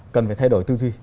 cần phải thay đổi tư duy